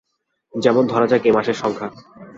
যেমন ধরা যাক এ মাসের সংখ্যা।